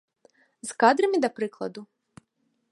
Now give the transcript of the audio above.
З кадрамі, да прыкладу?